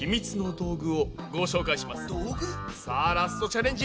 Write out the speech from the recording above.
道具？さあラストチャレンジ！